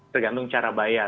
tergantung cara bayar